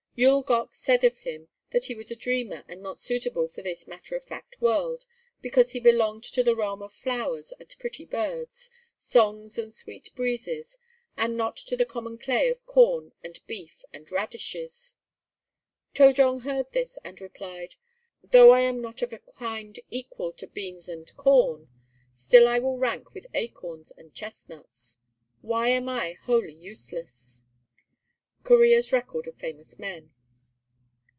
Yul gok said of him that he was a dreamer and not suitable for this matter of fact world, because he belonged to the realm of flowers and pretty birds, songs and sweet breezes, and not to the common clay of corn and beef and radishes. To jong heard this, and replied, "Though I am not of a kind equal to beans and corn, still I will rank with acorns and chestnuts. Why am I wholly useless?" Korea's Record of Famous Men.